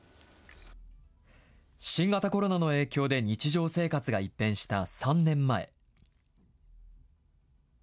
新型コロナの影響で日常生活が一変した３年前。